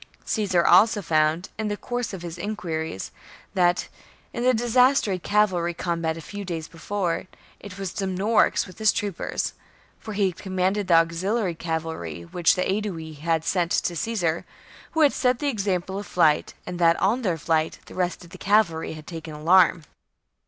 Caesar also found, in the course of his inquiries, that, in the disastrous cavalry combat a few days before, it was Dumnorix with his troopers (for he commanded the auxiliary cavalry which the Aedui had sent to Caesar) who had set the example of flight, and that, on their flight, the rest of the cavalry had taken alarm.